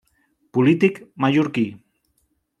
Polític mallorquí.